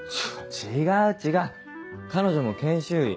違う違う彼女も研修医。